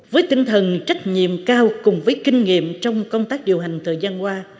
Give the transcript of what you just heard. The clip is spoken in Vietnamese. với tinh thần trách nhiệm cao cùng với kinh nghiệm trong công tác điều hành thời gian qua